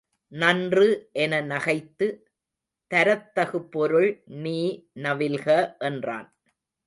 நன்று என நகைத்து தரத்தகு பொருள் நீ நவில்க என்றான்.